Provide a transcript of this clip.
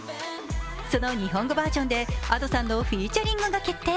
その日本語バージョンでＡｄｏさんのフィーチャリングが決定。